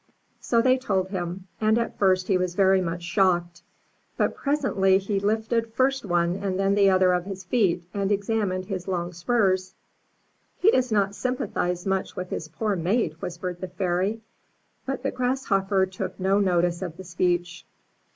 So they told him, and at first he was very much shocked; but presently he lifted first one and then the other of his feet, and examined his long spurs. He does not sympathize much with his poor mate," whispered the Fairy; but the Grasshopper took no notice of the speech.